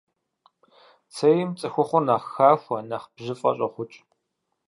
Цейм цӏыхухъур нэхъ хахуэ, нэхъ бжьыфӏэ щӏохъукӏ.